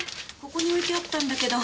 ここに置いてあったんだけど。